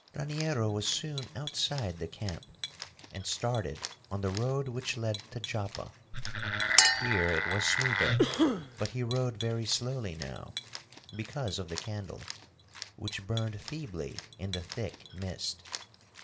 Raniero was soon outside the camp and started on the road which led to Joppa. Here it was smoother, but he rode very slowly now, because of the candle, which burned feebly in the thick mist.